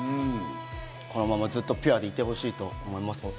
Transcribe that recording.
このままずっとピュアでいてほしいと思います。